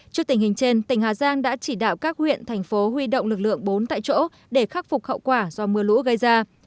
trước tình hình trên tỉnh hà giang đã chỉ đạo các huyện thành phố huy động lực lượng bốn tại chỗ để khắc phục hậu quả do mưa lũ gây ra